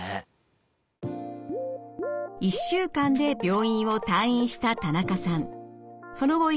１週間で病院を退院した田中さん。